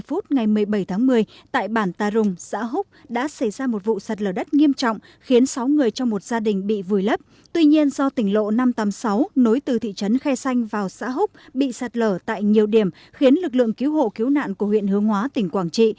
ubnd xảy ra vụ sạt lở đất làm vùi lấp do sạt lở núi trong đêm ngày một mươi bảy tháng một mươi ở thôn tà rùng xã húc huyện hướng hóa tỉnh quảng trị